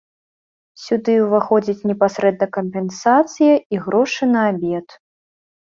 Сюды ўваходзіць непасрэдна кампенсацыя і грошы на абед.